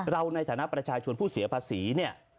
เราในฐานะประชาชนผู้เสียภาษีเนี่ย